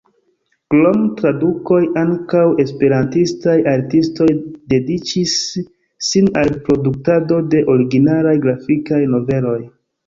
Krom tradukoj, ankaŭ esperantistaj artistoj dediĉis sin al produktado de originalaj grafikaj noveloj.